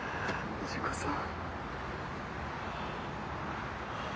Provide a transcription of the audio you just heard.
藤子さん。